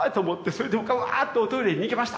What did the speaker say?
それで僕はうわぁとおトイレに逃げました。